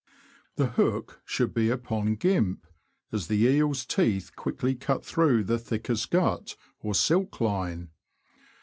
The hook should be upon gimp, as the eel's teeth quickly cut through the thickest gut or silk line.